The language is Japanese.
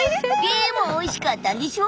でもおいしかったんでしょ？